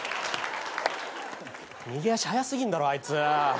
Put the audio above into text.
逃げ足速過ぎんだろあいつ。